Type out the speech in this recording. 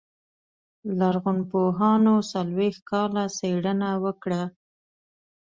لرغونپوهانو څلوېښت کاله څېړنه وکړه.